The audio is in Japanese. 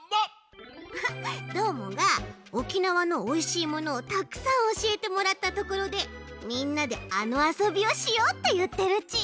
どーもが沖縄のおいしいものをたくさんおしえてもらったところでみんなであのあそびをしようっていってるち。